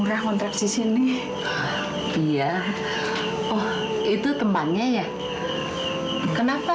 papa baik banget